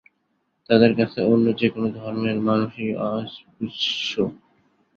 তাদের কাছে অন্য যেকোনো ধর্মের মানুষই অস্পৃশ্য।